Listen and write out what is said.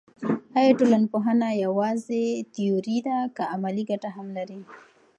آیا ټولنپوهنه یوازې تیوري ده که عملي ګټه هم لري.